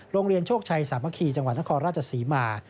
โรงเรียนโชคชัยสามัคคีจังหวัดนครราชศรีมา